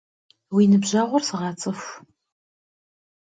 Vui nıbjeğur sığets'ıxu!